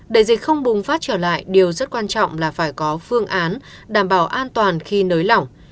đại dịch không bùng phát trở lại điều rất quan trọng là phải có phương án đảm bảo an toàn khi nới lỏng